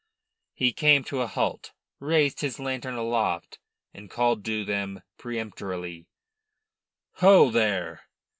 He came to a halt, raised his lantern aloft, and called to them peremptorily: "Ho, there!"